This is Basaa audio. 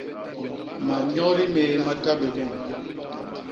Manyodi méé ma ta bé bun.